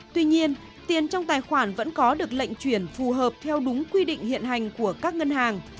tuy nhiên tiền trong tài khoản vẫn có được lệnh chuyển phù hợp theo đúng quy định hiện hành của các ngân hàng